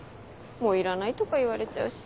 「もういらない」とか言われちゃうし。